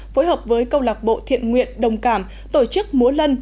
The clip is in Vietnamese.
phối hợp với câu lạc bộ thiện nguyện đồng cảm tổ chức múa lân